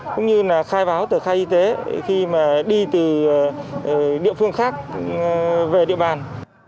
cũng như là khai báo tờ khai y tế khi mà đi từ địa phương khác về địa bàn